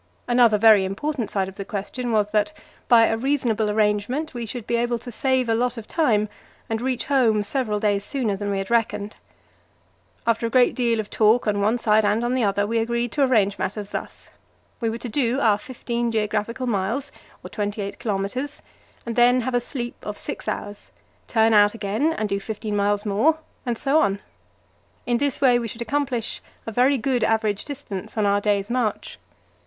Another very important side of the question was that, by a reasonable arrangement, we should be able to save a lot of time, and reach home several days sooner than we had reckoned. After a great deal of talk on one side and on the other, we agreed to arrange matters thus: we were to do our fifteen geographical miles, or twenty eight kilometres, and then have a sleep of six hours, turn out again and do fifteen miles more, and so on. In this way we should accomplish a very good average distance on our day's march.